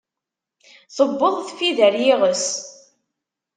Tewweḍ tfidi ar iɣes.